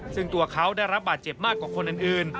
ซึ่งตัวเขาได้รับบาดเจ็บมากกว่าคนอื่น